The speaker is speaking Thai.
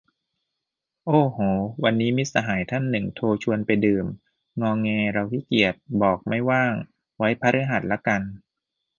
โอ้โห วันนี้มิตรสหายท่านหนึ่งโทรชวนไปดื่ม งอแง เราขี้เกียจ บอกไม่ว่าง ไว้พฤหัสละกัน